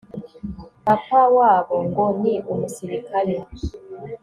papa wabo ngo ni umusirikare